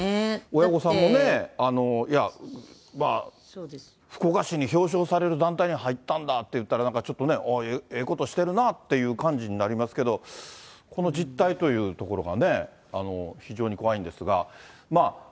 親御さんもね、いや、まあ、福岡市に表彰される団体に入ったんだって言ったら、なんかちょっとね、ええことしてるなって感じになりますけど、この実態というところがね、非常に怖いんですが。